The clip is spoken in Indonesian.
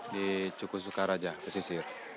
di cukusukaraja pesisir